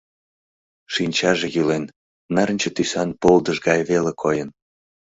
Шинчаже йӱлен, нарынче тӱсан полдыш гай веле койын.